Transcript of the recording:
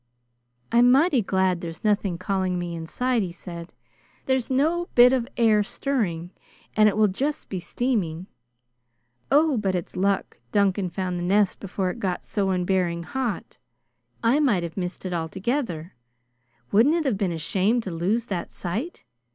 "I'm mighty glad there's nothing calling me inside!" he said. "There's no bit of air stirring, and it will just be steaming. Oh, but it's luck Duncan found the nest before it got so unbearing hot! I might have missed it altogether. Wouldn't it have been a shame to lose that sight?